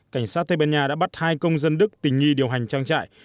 cảnh sát tây ban nha đã bắt hai công dân đức tình nghi điều hành trang trại